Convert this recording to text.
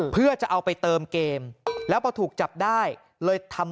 เพื่อจะเอาไปเติมเกม